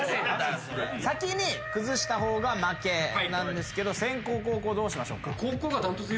先に崩した方が負けなんですけど先攻後攻どうしましょうか？